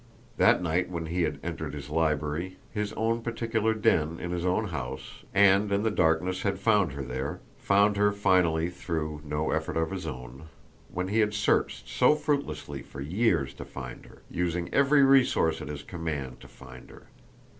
That night when he had entered his library, his own particular den in his own house, and in the darkness had found her there found her finally through no effort of his own, when he had searched so fruitlessly for years to find her, using every resource at his command to find her!